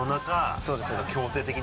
そうです